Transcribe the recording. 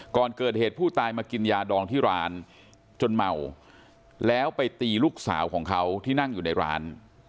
ก่อนเกิดเหตุผู้ตายมากินยาดองที่ร้านจนเมาแล้วไปตีลูกสาวของเขาที่นั่งอยู่ในร้าน